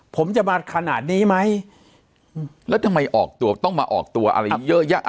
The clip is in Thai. ผมจะมาขนาดนี้ไหมแล้วทำไมออกตัวต้องมาออกตัวอะไรเยอะแยะ